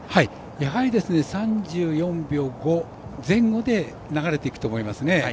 やはり３４秒５前後で流れていくと思いますね。